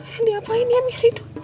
yang diapain ya miridu